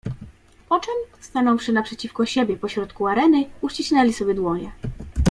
"Poczem, stanąwszy naprzeciwko siebie po środku areny, uścisnęli sobie dłonie."